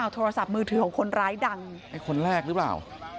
โทรศัพท์มือถือของคนร้ายดังไอ้คนแรกหรือเปล่า